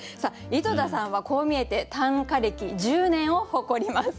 井戸田さんはこう見えて短歌歴１０年を誇ります。